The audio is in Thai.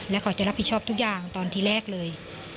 และเขาจะรับผิดชอบทุกอย่างตอนที่แรกเลย